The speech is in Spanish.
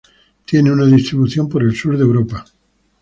Tiene una distribución por el sur de Europa.